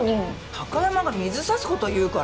貴山が水差すこと言うから。